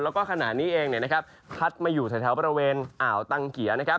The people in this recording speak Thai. แล้วก็ขณะนี้เองพัดมาอยู่แถวบริเวณอ่าวตังเกียร์นะครับ